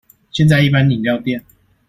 現在一般飲料店